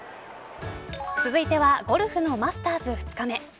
続いてはゴルフのマスターズ２日目。